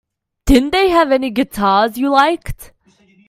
Didn't they have any guitars you liked?